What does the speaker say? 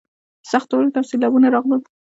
سخت اورښت او سیلاوونه راغلل.